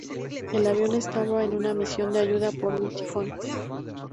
El avión estaba en una misión de ayuda por un tifón.